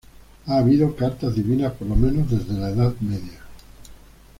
Ha habido "Cartas Divinas" por lo menos desde la Edad Media.